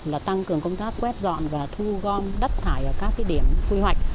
là tăng cường công tác quét dọn và thu gom đất thải ở các điểm quy hoạch